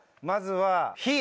まずは。